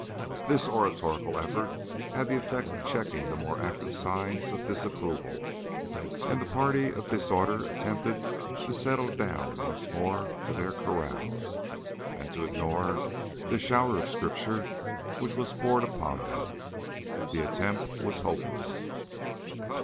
This oratorical effort had the effect of checking the more active signs of disapproval, and the party of disorder attempted to settle down once more to their carouse, and to ignore the shower of Scripture which was poured upon them. The attempt was hopeless.